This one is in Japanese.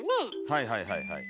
はいはいはいはい。